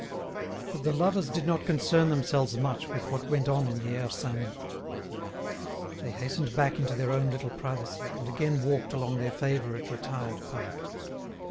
But the lovers did not concern themselves much with what went on in the Aire Saint Mittre; they hastened back into their own little privacy, and again walked along their favourite retired path.